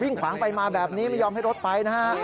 วิ่งขวางไปมาแบบนี้ไม่ยอมให้รถไปนะครับ